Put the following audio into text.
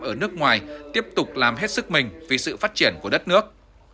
ở nước ngoài tiếp tục làm hết sức mình vì sự phát triển của đất nước